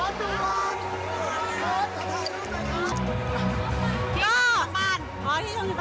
หลังจากวัดละมนต์หญิงไทยทำผลงานด้วยอย่างยอดเยี่ยมนะคะ